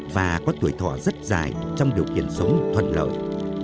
và có tuổi thọ rất dài trong điều kiện sống thuận lợi